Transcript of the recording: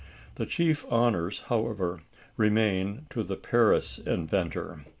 The chief honours, however, remain to the Paris inventor.